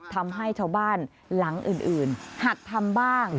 ทำให้ชาวบ้านหลังอื่นหัดทำบ้าง